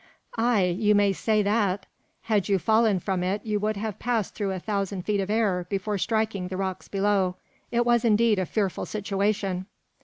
"Ay, you may say that! Had you fallen from it, you would have passed through a thousand feet of air before striking the rocks below. It was indeed a fearful situation."